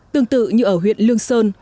tương tự như ở huyện lương sơn